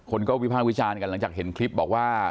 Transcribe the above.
คนก็วิภาควิจารณ์กันหลังจากเห็นคลิปบอกว่า